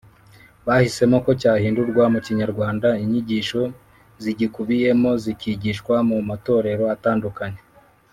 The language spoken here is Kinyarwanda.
bahisemo ko cyahindurwa mu kinyarwanda, inyigisho zigikubiyemo zikigishwa mu matorero atandukanye